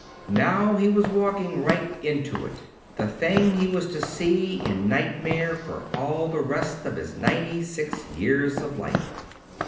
Now he was walking right into it the thing he was to see in nightmare for all the rest of his ninety six years of life.